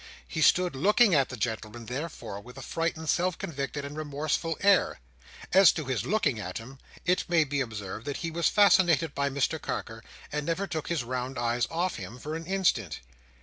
He stood looking at the gentleman, therefore, with a frightened, self convicted, and remorseful air. As to his looking at him, it may be observed that he was fascinated by Mr Carker, and never took his round eyes off him for an instant.